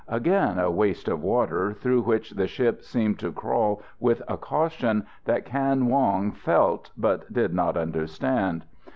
Again a waste of water, through which the ship seemed to crawl with a caution that Kan Wong felt, but did not understand.